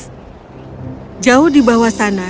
jauh di bawah sana dunia ini tidak akan berhenti